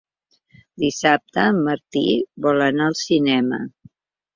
Dissabte en Martí vol anar al cinema.